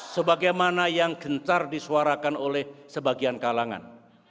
sebagaimana yang gencar disuarakan oleh sebagian kalangan